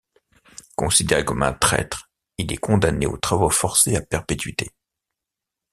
Considéré comme un traître, il est condamné aux travaux forcés à perpétuité.